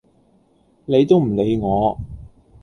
理都唔理我